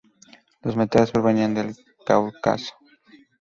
Los metales provenían del Cáucaso.